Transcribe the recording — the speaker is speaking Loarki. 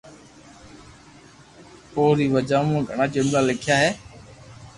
اوري وجہ مون گھڻا جملا ليکيا ھي